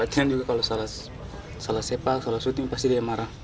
harus cita gol latihan juga kalau salah sepak salah syuting pasti